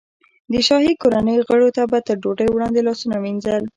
د شاهي کورنۍ غړیو به تر ډوډۍ وړاندې لاسونه وینځل.